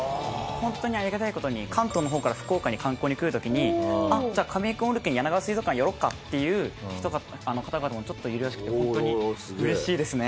本当にありがたい事に関東の方から福岡に観光に来る時に「あっじゃあカメイ君おるけんやながわ水族館寄ろうか」っていう方々もちょっといるらしくて本当にうれしいですね。